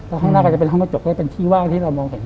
แล้วข้างหน้าก็จะเป็นห้องกระจกที่เป็นที่ว่างที่เรามองเห็น